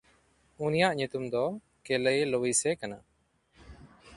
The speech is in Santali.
ᱩᱱᱤᱭᱟᱜ ᱧᱩᱛᱩᱢ ᱫᱚ ᱠᱮᱞᱟᱹᱭᱼᱞᱚᱣᱤᱥᱮ ᱠᱟᱱᱟ᱾